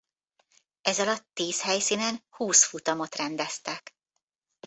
Ezalatt tíz helyszínen húsz futamot rendeztek.